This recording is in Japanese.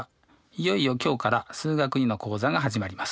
いよいよ今日から「数学Ⅱ」の講座が始まります。